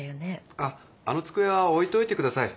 あっあの机は置いといてください。